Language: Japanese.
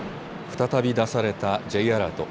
再び出されたＪアラート。